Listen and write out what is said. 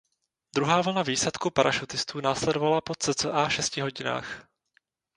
Druhá vlna výsadku parašutistů následovala po cca šesti hodinách.